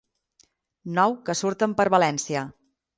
Nou que surten per València.